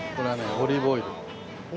オリーブオイル！？